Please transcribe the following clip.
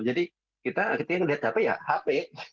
jadi kita ketika melihat hp ya hp